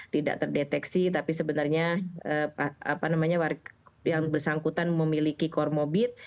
tidak terdeteksi tapi sebenarnya yang bersangkutan memiliki kormobit